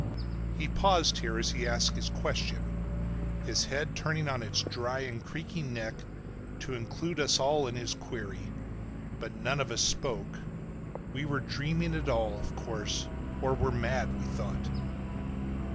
He paused here as he asked his question, his head turning on its dry and creaking neck to include us all in his query. But none of us spoke. We were dreaming it all, of course, or were mad, we thought.